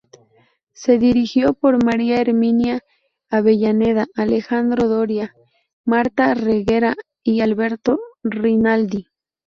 Fue dirigido por María Herminia Avellaneda, Alejandro Doria, Marta Reguera y Alberto Rinaldi.